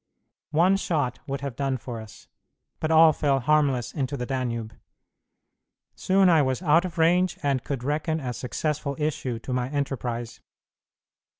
One shot would have done for us, but all fell harmless into the Danube. Soon I was out of range, and could reckon a successful issue to my enterprise.